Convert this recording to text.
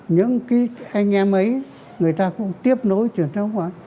những anh em ấy người ta cũng tiếp nối truyền thống